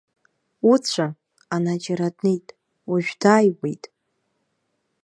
Уцәа, ана џьара днеит, уажә дааиуеит.